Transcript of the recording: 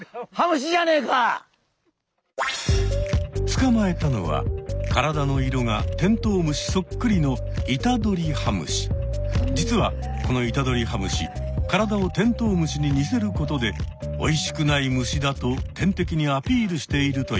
つかまえたのは体の色がテントウムシそっくりの実はこのイタドリハムシ体をテントウムシに似せることでおいしくない虫だと天敵にアピールしているといわれている。